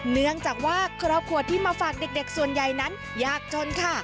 เนื่องจากว่าครอบครัวที่มาฝากเด็กส่วนใหญ่นั้นยากจนค่ะ